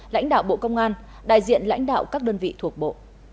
lãnh đạo bộ công an đại diện lãnh đạo các đơn vị thuộc bộ